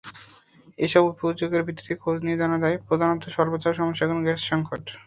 এসব অভিযোগের ভিত্তিতে খোঁজ নিয়ে জানা যায়, প্রধানত স্বল্পচাপ সমস্যার কারণে গ্যাস-সংকট।